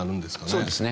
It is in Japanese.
そうですね。